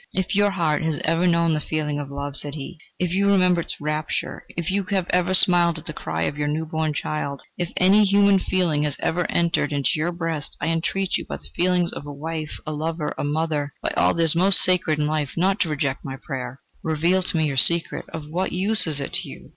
"If your heart has ever known the feeling of love," said he, "if you remember its rapture, if you have ever smiled at the cry of your new born child, if any human feeling has ever entered into your breast, I entreat you by the feelings of a wife, a lover, a mother, by all that is most sacred in life, not to reject my prayer. Reveal to me your secret. Of what use is it to you?...